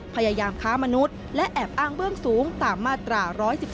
พยายามค้ามนุษย์และแอบอ้างเบื้องสูงตามมาตรา๑๑๒